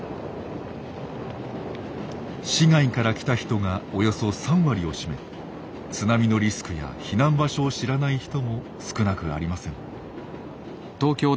市外から来た人がおよそ３割を占め津波のリスクや避難場所を知らない人も少なくありません。